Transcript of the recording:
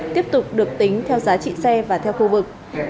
tiếp tục được tính theo giá trị xe và theo khu vực